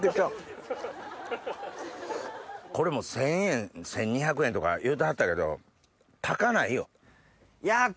これもう１０００円１２００円とか言うてはったけど高ないよ。